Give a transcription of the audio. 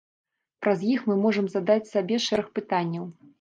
Праз іх мы можам задаць сабе шэраг пытанняў.